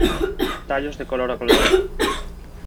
Tallos de color glauco.